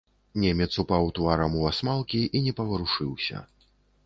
Немец упаў тварам у асмалкі і не паварушыўся.